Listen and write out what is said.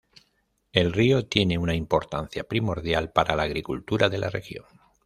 El río tiene una importancia primordial para la agricultura de la región.